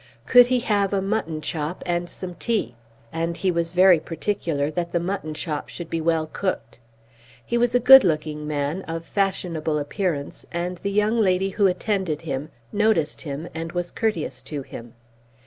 Could he have a mutton chop and some tea? And he was very particular that the mutton chop should be well cooked. He was a good looking man, of fashionable appearance, and the young lady who attended him noticed him and was courteous to him.